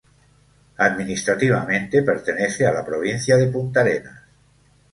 Administrativamente pertenece a la provincia de Puntarenas.